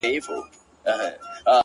o اوښکي نه راتویومه خو ژړا کړم ـ